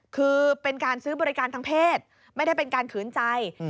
คือเป็นการซื้อบริการทางเพศไม่ได้เป็นการขืนใจ